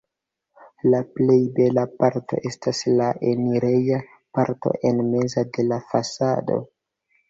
La plej bela parto estas la enireja parto en mezo de la fasado.